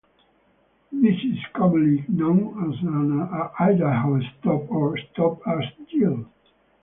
This is commonly known as an "Idaho stop" or "stop-as-yield".